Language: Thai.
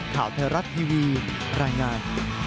ข่าวไทยรัฐทีวีรายงาน